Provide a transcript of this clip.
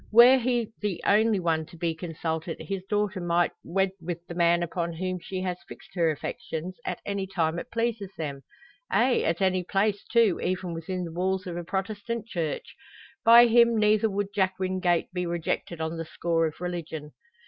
Were he the only one to be consulted his daughter might wed with the man upon whom she has fixed her affections, at any time it pleases them ay, at any place, too, even within the walls of a Protestant Church! By him neither would Jack Wingate be rejected on the score of religion.